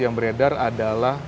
yang beredar adalah